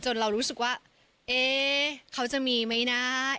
จนเรารู้สึกว่าเขาจะมีไหมนะ